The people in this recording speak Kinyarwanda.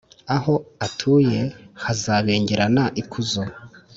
aho atuye hakazabengerana ikuzo.